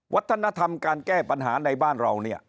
วัฒนธรรมการแก้ปัญหาในบ้านเราเนี่ย